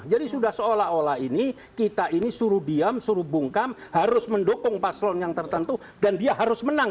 jadi sudah seolah olah ini kita ini suruh diam suruh bungkam harus mendukung paslon yang tertentu dan dia harus menang